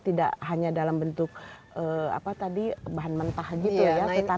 tidak hanya dalam bentuk apa tadi bahan mentah gitu ya